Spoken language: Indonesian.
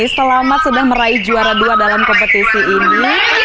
selamat sudah meraih juara dua dalam kompetisi ini